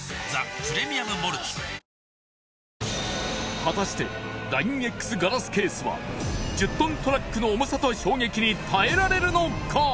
果たしてＬＩＮＥ−Ｘガラスケースは１０トントラックの重さと衝撃に耐えられるのか？